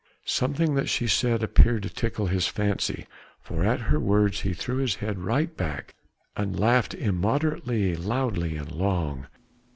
Something that she said appeared to tickle his fancy, for at her words he threw his head right back and laughed immoderately, loudly and long.